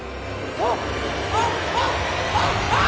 あっ！